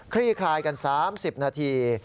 ลี่คลายกัน๓๐นาที